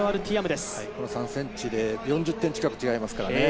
３ｃｍで４０点近く違いますからね。